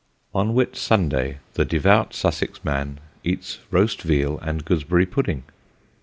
On Whit Sunday the devout Sussex man eats roast veal and gooseberry pudding.